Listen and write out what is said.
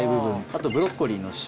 あとブロッコリーの芯も。